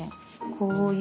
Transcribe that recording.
こういう。